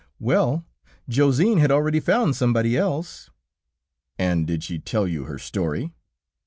"Well, Josine had already found somebody else...." "And did she tell you her story?"